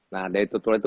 nah dari tertular itu